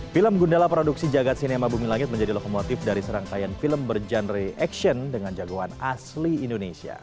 film gundala produksi jagad cinema bumi langit menjadi lokomotif dari serangkaian film bergenre action dengan jagoan asli indonesia